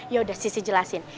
yaudah sisi jelasin